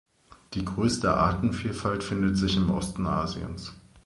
Die größte Artenvielfalt findet sich im Osten Asiens.